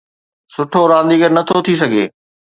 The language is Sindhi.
سٺو رانديگر نٿو ٿي سگهي،